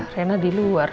rena di luar